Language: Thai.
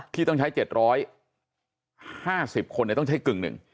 ที่ต้องใช้๗๕๐คนต้องใช้กึ่งหนึ่ง